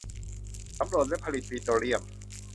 สำรวจและผลิตปิโตรเลียม